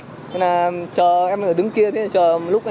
thế là chờ em ở đứng kia thế là chờ một lúc đấy